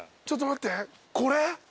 ちょっと待ってこれ？